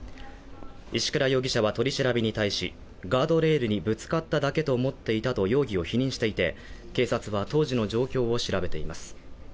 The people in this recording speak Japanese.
石倉容疑者は取り調べに対し、ガードレールにぶつかっただけと思っていたと容疑を否認していて警察は当時の状況を調べています。